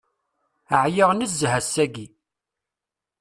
Ɛyiɣ nezzeh ass-agi.